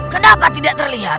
kenapa tidak terlihat